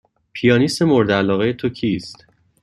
پیانیست مورد علاقه تو کیست؟